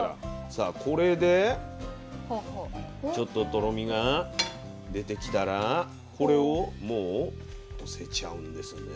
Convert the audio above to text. さあこれでちょっととろみが出てきたらこれをもうのせちゃうんですね。